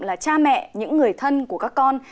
là cha mẹ những người thân của các con